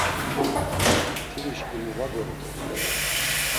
Mtirişǩimi va gorumt̆u.